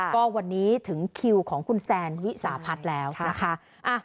ก็วันนี้ถึงคิวของคุณแซนวิสาพัฒน์แล้วนะคะ